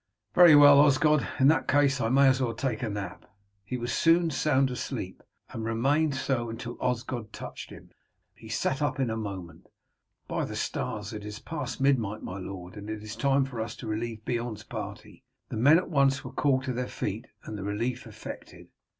"Very well, Osgod; in that case I may as well take a nap." He was soon sound asleep, and remained so until Osgod touched him. He sat up in a moment. "By the stars it is past midnight, my lord, and it is time for us to relieve Beorn's party." The men were at once called to their feet, and the relief effected.